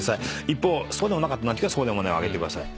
一方そうでもなかったってときは「そうでもない」を挙げてください。